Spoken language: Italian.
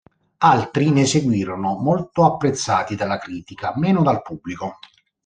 Altri ne seguirono, molto apprezzati dalla critica, meno dal pubblico.